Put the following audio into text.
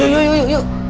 yuk yuk yuk